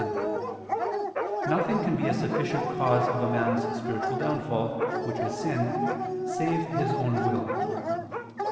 1), nothing can be a sufficient cause of a man's spiritual downfall, which is sin, save his own will.